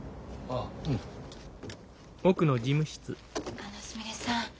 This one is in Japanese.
あのすみれさん